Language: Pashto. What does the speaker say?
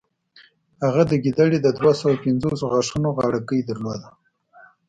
هغه د ګیدړې د دوهسوو پنځوسو غاښونو غاړکۍ درلوده.